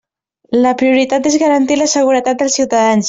La prioritat és garantir la seguretat dels ciutadans.